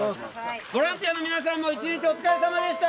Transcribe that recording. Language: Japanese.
ボランティアの皆さんも一日お疲れさまでした！